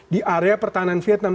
di area pertahanan vietnam